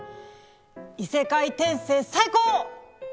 異世界転生最高！